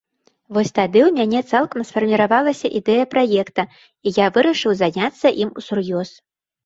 Вось тады ў мяне цалкам сфарміравалася ідэя праекта і я вырашыў заняцца ім усур'ёз.